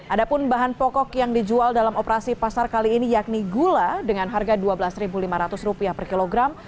ada pun bahan pokok yang dijual dalam operasi pasar kali ini yakni gula dengan harga rp dua belas lima ratus per kilogram